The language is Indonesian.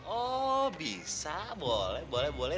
ohh bisa boleh boleh boleh